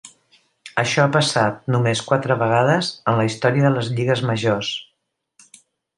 Això ha passat només quatre vegades en la història de les lligues majors.